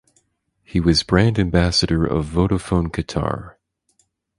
He was brand ambassador of Vodafone Qatar.